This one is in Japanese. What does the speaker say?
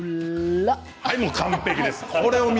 完璧です。